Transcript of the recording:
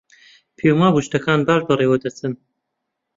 پێم وابوو شتەکان باش بەڕێوە دەچن.